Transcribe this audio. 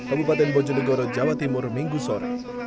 kabupaten bojonegoro jawa timur minggu sore